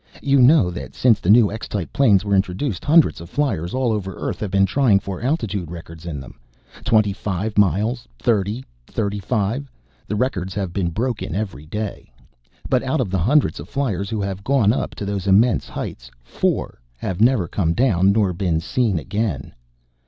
"You know that since the new X type planes were introduced, hundreds of fliers all over Earth have been trying for altitude records in them. Twenty five miles thirty thirty five the records have been broken every day. But out of the hundreds of fliers who have gone up to those immense heights, four have never come down nor been seen again!